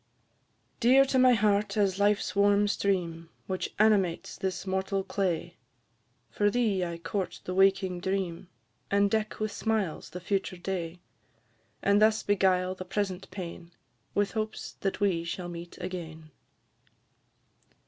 Dear to my heart as life's warm stream, Which animates this mortal clay; For thee I court the waking dream, And deck with smiles the future day; And thus beguile the present pain, With hopes that we shall meet again!